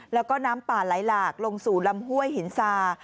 แล้วก็น้ำป่าไหลหลากลงสู่ลำห้วยหินซา